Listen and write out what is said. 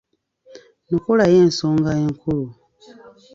Nokolayo ensonga enkulu